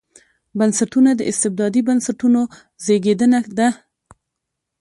بنسټونه د استبدادي بنسټونو زېږنده ده.